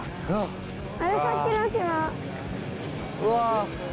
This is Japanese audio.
うわ！